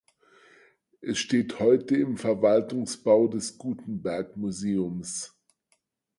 Es steht heute im Verwaltungsbau des Gutenberg-Museums.